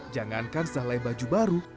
jangankan selain baju baru